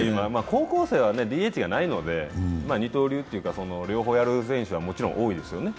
高校生はＤＨがないので、二刀流というか両方やる選手は多いですよね。